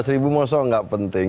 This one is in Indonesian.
lima belas ribu moso nggak penting